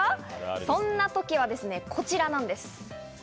そんな時はこちらなんです。